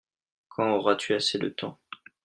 Quand auras-tu assez de temps ?